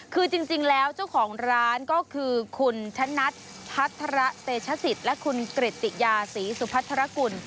คือจริงแล้วเจ้าของร้านก็คือคุณชะนัดพัฒระเตชศิษย์และคุณกริตติยาศรีสุพัทรกุล